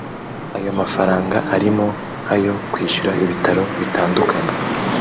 Ayo mafaranga arimo ayo kwishyura ibitaro bitandukanye